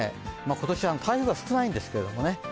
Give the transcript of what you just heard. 今年台風が少ないんですけれどもね。